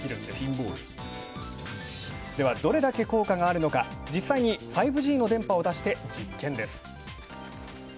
では、どれだけ効果があるのか、実際に５Ｇの電波を出して実験です。